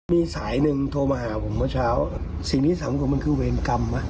มีสายหนึ่งโทรมาหาผมเมื่อเช้าสิ่งที่สังคมมันคือเวรกรรมวะ